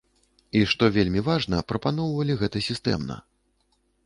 І што вельмі важна, прапаноўвалі гэта сістэмна.